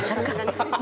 アハハハ。